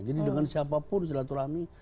jadi dengan siapapun silaturahmi